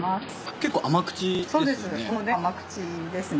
結構甘口ですよね？